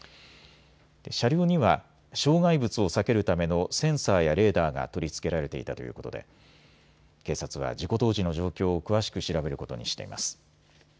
車両には障害物を避けるためのセンサーやレーダーが取り付けられていたということで警察は事故当時の状況を詳しく調べることにしています。